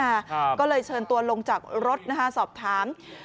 กันนี่นาก็เลยเชิญตัวลงจากรถนะฮะสอบถาม